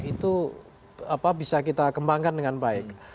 itu bisa kita kembangkan dengan baik